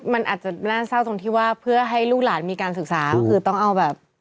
มันอาจจะน่าเศร้าตรงที่ไหนมีเพื่อให้ลูกหลานมีการศึกษา